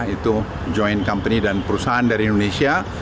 itu perusahaan dari indonesia